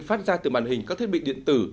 phát ra từ màn hình các thiết bị điện tử